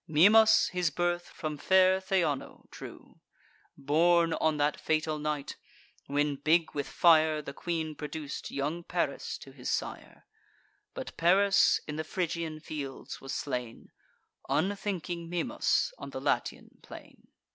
Mimas his birth from fair Theano drew, Born on that fatal night, when, big with fire, The queen produc'd young Paris to his sire: But Paris in the Phrygian fields was slain, Unthinking Mimas on the Latian plain.